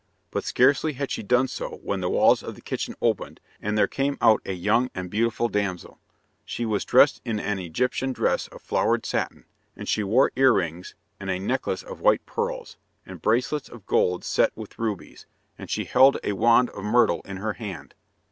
But scarcely had she done so when the walls of the kitchen opened, and there came out a young and beautiful damsel. She was dressed in an Egyptian dress of flowered satin, and she wore earrings, and a necklace of white pearls, and bracelets of gold set with rubies, and she held a wand of myrtle in her hand.